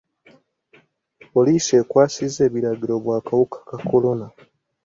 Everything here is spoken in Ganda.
Poliisi ekwasisa ebiragiro bw'akawuka ka kolona.